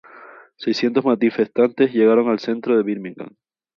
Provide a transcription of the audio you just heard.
Seiscientos manifestantes llegaron al centro de Birmingham.